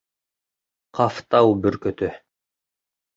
Ҡафтау бөркөтө